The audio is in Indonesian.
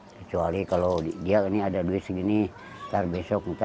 kecuali kalau dia ini ada duit segini nanti besok nanti gitu